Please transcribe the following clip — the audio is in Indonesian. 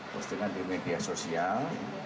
postingan di media sosial